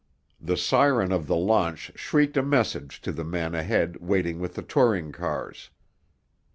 The siren of the launch shrieked a message to the men ahead waiting with the touring cars.